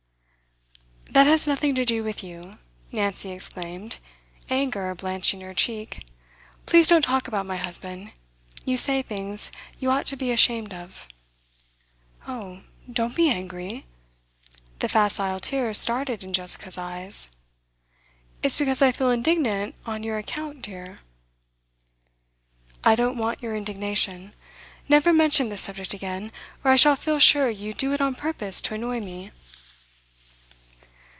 'That has nothing to do with you,' Nancy exclaimed, anger blanching her cheek. 'Please don't talk about my husband. You say things you ought to be ashamed of.' 'Oh, don't be angry!' The facile tears started in Jessica's eyes. 'It's because I feel indignant on your account, dear.' 'I don't want your indignation. Never mention this subject again, or I shall feel sure you do it on purpose to annoy me.